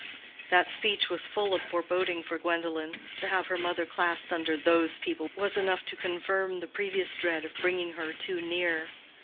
That speech was full of foreboding for Gwendolen. To have her mother classed under "those people" was enough to confirm the previous dread of bringing her too near.